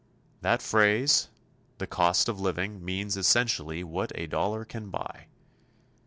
That phrase, "the cost of living," means essentially what a dollar can buy.